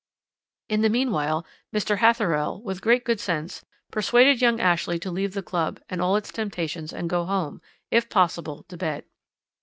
"In the meanwhile Mr. Hatherell, with great good sense, persuaded young Ashley to leave the Club and all its temptations and go home; if possible to bed.